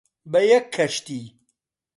بە یەک کەشتی،